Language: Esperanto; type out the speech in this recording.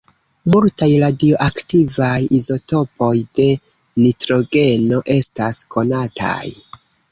Multaj radioaktivaj izotopoj de nitrogeno estas konataj.